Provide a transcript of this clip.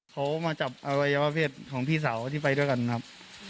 เขามาจับอวัยวะเพศของพี่สาวที่ไปด้วยกันครับ